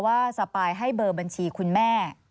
สปายให้เบอร์บัญชีคุณแม่